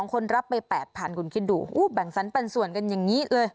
คนรับไป๘๐๐คุณคิดดูแบ่งสรรปันส่วนกันอย่างนี้เลย